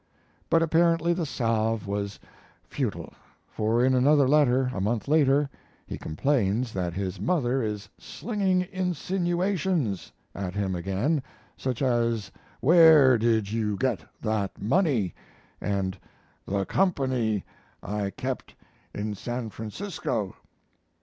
But apparently the salve was futile, for in another letter, a month later, he complains that his mother is "slinging insinuations" at him again, such as "where did you get that money" and "the company I kept in San Francisco."